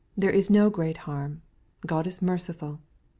There's no great harm done. God is merciful